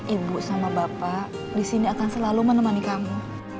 ibu sama bapak disini akan selalu menemani kamu